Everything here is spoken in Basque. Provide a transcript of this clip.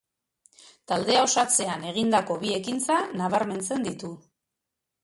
Taldea osatzean egindako bi ekintza nabarmentzen ditu.